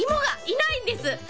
いないんです！